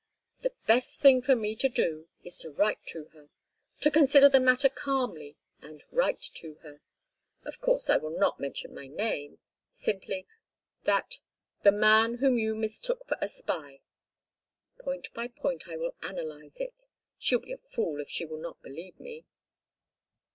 "The best thing for me to do is to write to her—to consider the matter calmly and write to her. Of course, I will not mention my name. Simply: that 'the man whom you mistook for a spy'—Point by point I will analyse it. She'll be a fool if she will not believe me."